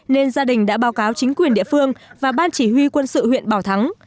nên gia đình đã báo cáo chính quyền địa phương và ban chỉ huy quân sự huyện bảo thắng